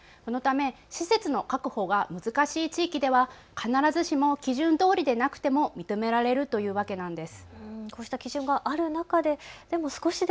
このため施設の確保が難しい地域では必ずしも基準どおりでなくても認められるというわけなんです。